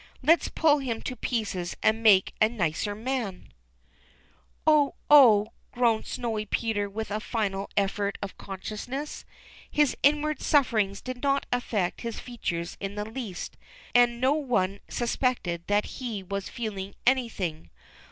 " Let's pull him to pieces and make a nicer man. 348 THE CHILDREN'S WONDER BOOK. Ohj oh/' groaned Snowy Peter with a final effort of consciousness. His inward sufferings did not affect his features in the least, and no one suspected that he was feeling anything.